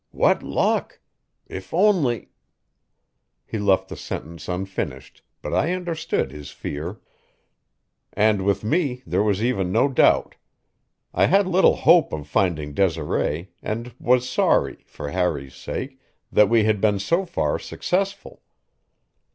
"What luck! If only " He left the sentence unfinished, but I understood his fear. And with me there was even no doubt; I had little hope of finding Desiree, and was sorry, for Harry's sake, that we had been so far successful.